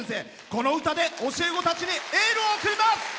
この歌で教え子たちにエールを送ります。